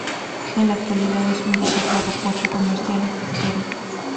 En la actualidad es un destacado puerto comercial y pesquero.